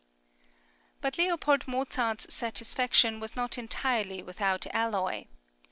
But L. Mozart's satisfaction was not entirely without alloy.